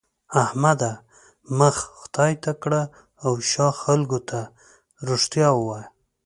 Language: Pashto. احمده! مخ خدای ته کړه او شا خلګو ته؛ رښتيا ووايه.